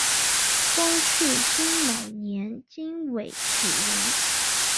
光绪辛卯年京闱举人。